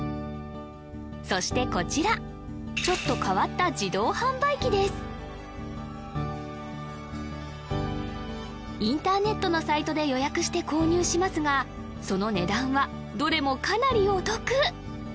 そしてこちらちょっと変わった自動販売機ですインターネットのサイトで予約して購入しますがその値段はどれもかなりお得！